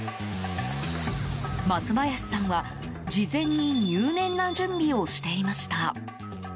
松林さんは、事前に入念な準備をしていました。